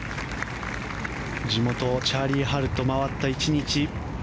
地元チャーリー・ハルと回った１日。